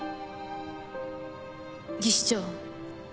技師長。